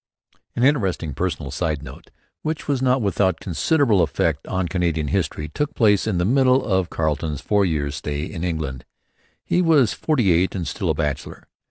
An interesting personal interlude, which was not without considerable effect on Canadian history, took place in the middle of Carleton's four years' stay in England. He was forty eight and still a bachelor.